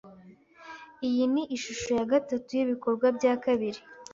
Iyi ni inshuro ya gatatu yibikorwa bya kabiri.